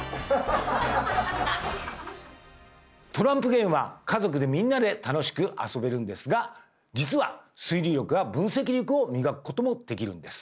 トランプゲームは家族でみんなで楽しく遊べるんですが実は推理力や分析力を磨くこともできるんです！